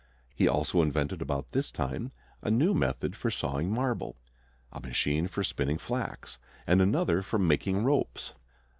He also invented about this time a new method for sawing marble, a machine for spinning flax, and another for making ropes.